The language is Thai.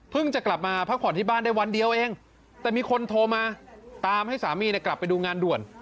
จะกลับมาพักผ่อนที่บ้านได้วันเดียวเองแต่มีคนโทรมาตามให้สามีกลับไปดูงานด่วน